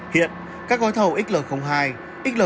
hiện các gói thầu xl hai xl ba